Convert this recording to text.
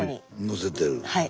載せてる。